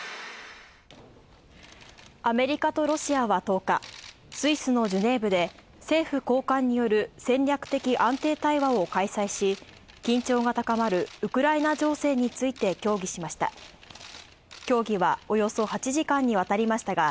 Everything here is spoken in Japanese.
アメリカとロシアは１０日、スイスのジュネーブで、政府高官による戦略的安定対話を開催し、緊張が高まるウクライナ情勢について協議しました。